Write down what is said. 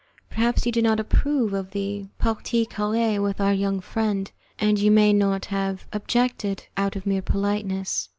Perhaps you did not approve of the 'partie carree' with our young friend, and you may not have objected out of mere politeness.